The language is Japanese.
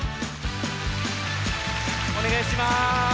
おねがいします。